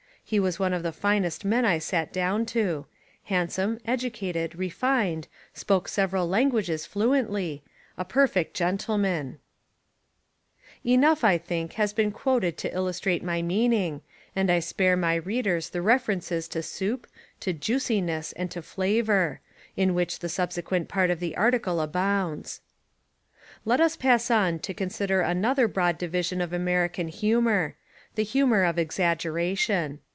He was one of the finest men I sat down to — handsome, educated, re fined, spoke several languages fluently — a perfect gen tleman. 126 American Humour Enough, I think, has been quoted to illustrate my meaning and I spare my readers the refer ences to "soup," to "juiciness" and to "flavour," in which the subsequent part of the article abounds. Let us pass on to consider another broad di vision of American humour, the Humour of Exaggeration.